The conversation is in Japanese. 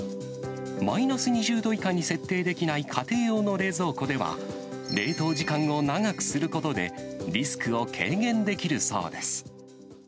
マイナス２０度以下に設定できない家庭用の冷蔵庫では、冷凍時間を長くすることで、リスクを軽減できるそうです。